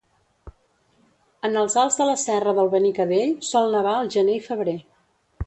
En els alts de la serra del Benicadell sol nevar al gener i febrer.